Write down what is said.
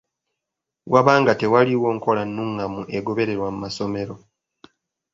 Waba nga tewaliiwo nkola nnungamu egobererwa mu masomero.